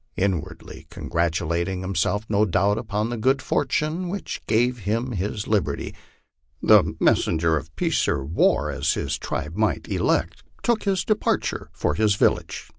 Inwardly congratulating himself, no doubt, upon the good fortune which gave him his liberty, the messenger of peace or war, as his tribe might elect, took his departure for his village.